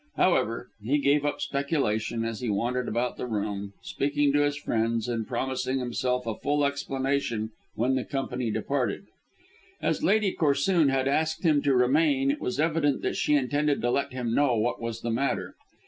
However, he gave up speculation as he wandered about the room, speaking to his friends, and promised himself a full explanation when the company departed. As Lady Corsoon had asked him to remain it was evident that she intended to let him know what was the matter.